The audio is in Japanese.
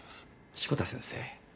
志子田先生。